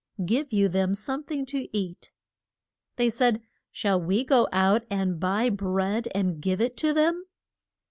Give you them some thing to eat. They said, Shall we go out and buy bread and give it to them?